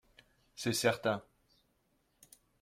C’est certain